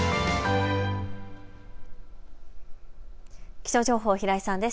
気象情報、平井さんです。